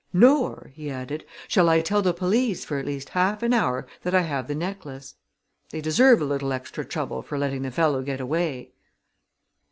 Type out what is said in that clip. Nor," he added, "shall I tell the police for at least half an hour that I have the necklace. They deserve a little extra trouble for letting the fellow get away."